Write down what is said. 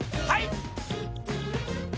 はい！